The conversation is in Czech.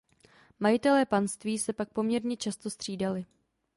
Majitelé panství se pak poměrně často střídali.